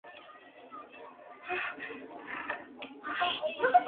Es capaz de realizar ataques de penetración de profundidad contra objetivos blindados.